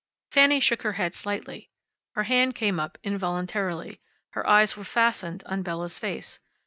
Fanny shook her head slightly. Her hand came up involuntarily. Her eyes were fastened on Bella's face.